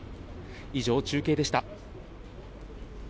以上、中継でした。